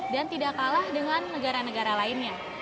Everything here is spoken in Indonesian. dan tidak kalah dengan negara negara lainnya